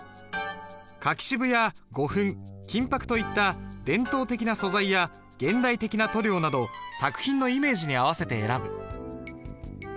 柿渋や胡粉金箔といった伝統的な素材や現代的な塗料など作品のイメージに合わせて選ぶ。